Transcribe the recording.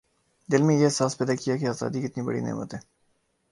دل میں یہ احساس پیدا کیا کہ آزادی کتنی بڑی نعمت ہے